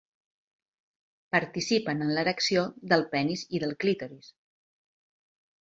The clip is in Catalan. Participen en l'erecció del penis i del clítoris.